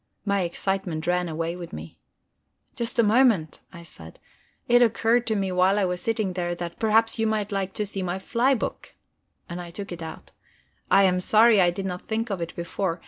My excitement ran away with me. "Just a moment," I said. "It occurred to me while I was sitting there that perhaps you might like to see my fly book." And I took it out. "I am sorry I did not think of it before.